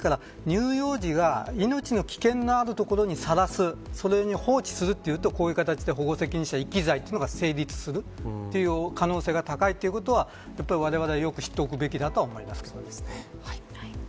ですから乳幼児が命の危険のある所にさらすそれに放置するというこういう形で保護責任者遺棄罪というのが成立する可能性が高いということはわれわれは、よく知っておくべきだと思います。